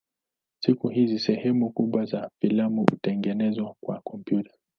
Siku hizi sehemu kubwa za filamu hutengenezwa kwa kompyuta.